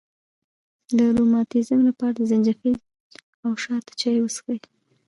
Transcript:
د روماتیزم لپاره د زنجبیل او شاتو چای وڅښئ